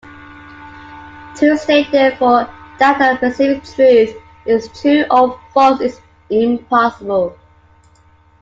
To state therefore that a specific truth is true or false is impossible.